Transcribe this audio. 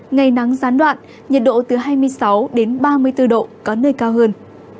ngày nắng gián đoạn nhiệt độ từ hai mươi sáu đến ba mươi bốn độ có nơi cao hơn